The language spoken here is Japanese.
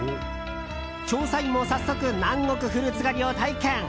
調査員も早速南国フルーツ狩りを体験！